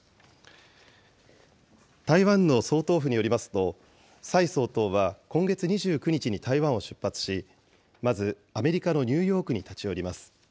台湾の総統府によりますと、蔡総統は今月２９日に台湾を出発し、まずアメリカのニューヨークに立ち寄ります。